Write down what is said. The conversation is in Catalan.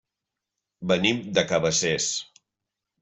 Venim de Cabacés.